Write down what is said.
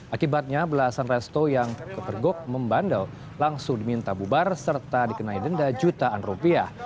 akibatnya belasan resto yang kepergok membandel langsung diminta bubar serta dikenai denda jutaan rupiah